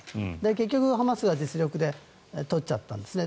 結局、ハマスが実力で取っちゃったんですね。